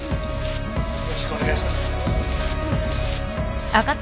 よろしくお願いします。